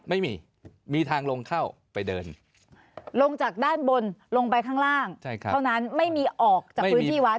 ไม่มีมีทางลงเข้าไปเดินลงจากด้านบนลงไปข้างล่างเท่านั้นไม่มีออกจากพื้นที่วัด